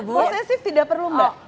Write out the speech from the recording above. possessive tidak perlu mbak